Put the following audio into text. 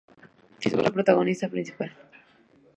Chizuru es la protagonista principal.